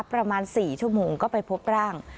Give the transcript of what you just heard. ประมาณ๔ชั่วโมงก็ไปพบร่าง